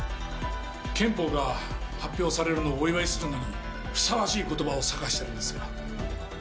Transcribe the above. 憲法が発表されるのをお祝いするのにふさわしいことばを探してるんですが。